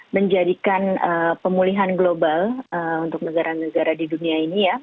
menjadikan pemulihan global untuk negara negara di dunia ini ya